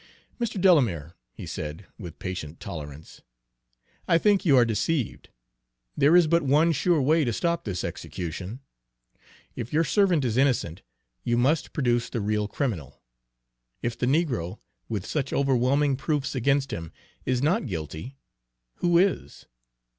"Mr. Delamere," he said, with patient tolerance, "I think you are deceived. There is but one sure way to stop this execution. If your servant is innocent, you must produce the real criminal. If the negro, with such overwhelming proofs against him, is not guilty, who is?"